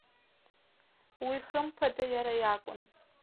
Уи, хымԥада, иара иакәын!